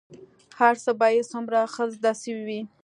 هرڅه به يې څومره ښه زده سوي وو.